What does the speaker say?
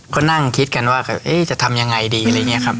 ก็นั่งคิดกันว่าจะทำยังไงดีอะไรอย่างนี้ครับ